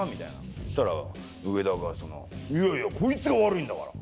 そしたら上田が「いやいやこいつが悪いんだから。